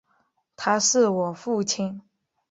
他是我父亲